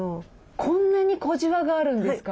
こんなに小じわがあるんですか？